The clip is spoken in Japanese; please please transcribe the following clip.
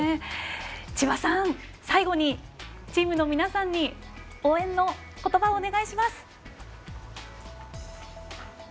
千葉さん、最後にチームの皆さんに応援のことばをお願いします。